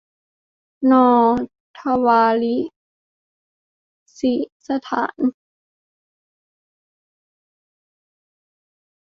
นอร์ทวาริซิสถาน